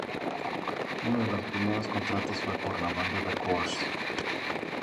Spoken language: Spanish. Uno de los primeros contratos fue por la banda The Corrs.